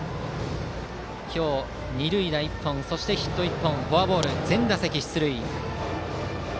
今日、二塁打１本そしてヒット１本、フォアボール全打席出塁。